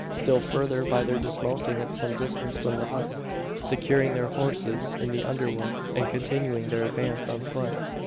Still further, by their dismounting at some distance from the hut, securing their horses in the underwood, and continuing their advance on foot.